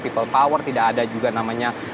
people power tidak ada juga namanya